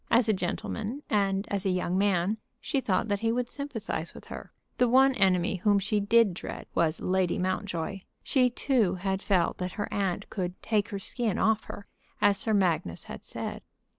As a gentleman, and as a young man, she thought that he would sympathize with her. The one enemy whom she did dread was Lady Mountjoy. She too had felt that her aunt could "take her skin off her," as Sir Magnus had said.